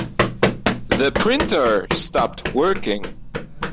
The printer stopped working.